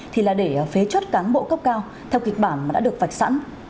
thì là để phế chuốt cán bộ cấp cao theo kịch bản mà đã được vạch sẵn